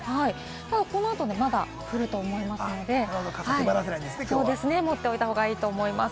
このあと、まだ降ると思いますので、傘を持っておいた方がいいと思います。